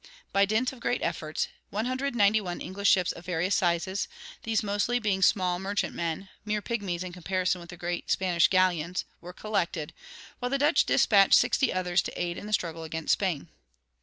By dint of great efforts, 191 English ships of various sizes, these mostly being small merchantmen mere pygmies in comparison with the great Spanish galleons were collected, while the Dutch dispatched sixty others to aid in the struggle against Spain.